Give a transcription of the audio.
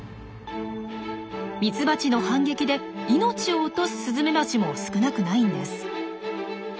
ミツバチの反撃で命を落とすスズメバチも少なくないんです。